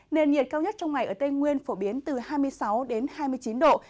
nền nhiệt cao nhất trong ngày ở tây nguyên phổ biến từ hai mươi sáu đến hai mươi chín độ